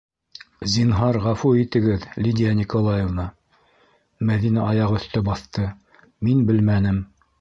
Зинһар, ғәфү итегеҙ, Лидия Николаевна, - Мәҙинә аяғөҫтө баҫты, - мин белмәнем...